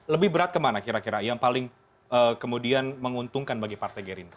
lebih berat ke mana kira kira yang paling menguntungkan bagi partai gerindra